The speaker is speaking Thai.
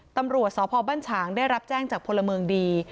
ตำรวจสพบัญชางได้รับแจ้งจากพลเมืองดี